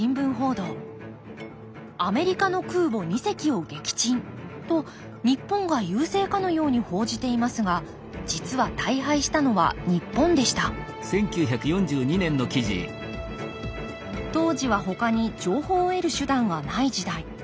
「アメリカの空母二隻を撃沈」と日本が優勢かのように報じていますが実は大敗したのは日本でした当時はほかに情報を得る手段がない時代。